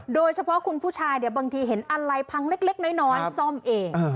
โดยเฉพาะคุณผู้ชายเนี่ยบางทีเห็นอะไรพังเล็กน้อยซ่อมเอง